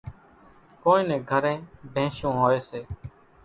ڪونئين نين گھرين ڀينشون هوئيَ سي۔